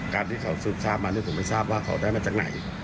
การที่เขาสืบทราบมาเนี่ยผมไม่ทราบว่าเขาได้มาจากไหน